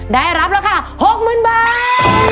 ได้รับราคา๖๐๐๐บาท